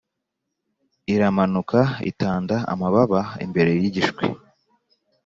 iramanukaitanda amababa imbere yigishwi.